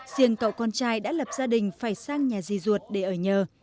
riêng cậu con trai đã lập gia đình phải sang nhà di ruột để ở nhờ